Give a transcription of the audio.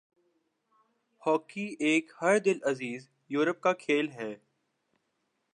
hockey ایک ہردلعزیز Europe کا کھیل ہے